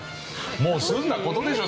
もう済んだ事でしょ